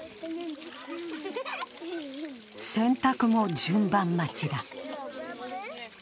洗濯も順番待ちだ。